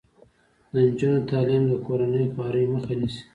د نجونو تعلیم د کورنۍ خوارۍ مخه نیسي.